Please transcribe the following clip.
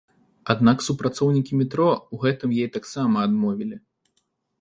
Аднак супрацоўнікі метро ў гэтым ёй таксама адмовілі.